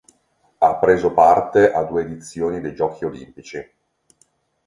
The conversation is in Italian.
Ha preso parte a due edizioni dei Giochi olimpici.